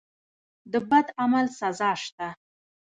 د بد عمل سزا شته.